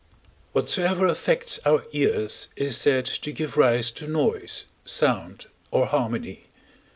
Whatsoever affects our ears is said to give rise to noise, sound, or harmony.